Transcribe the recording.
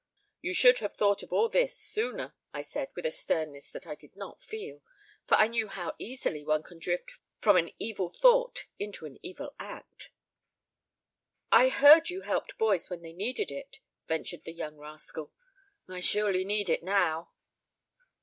"You should have thought of all this sooner," I said, with a sternness that I did not feel, for I knew how easily one can drift from an evil thought into an evil act. "I heard you helped boys when they needed it," ventured the young rascal. "I surely need it now."